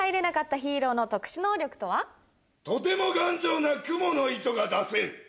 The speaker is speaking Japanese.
とても頑丈なクモの糸が出せる。